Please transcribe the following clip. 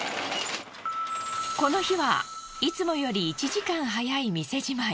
この日はいつもより１時間早い店じまい。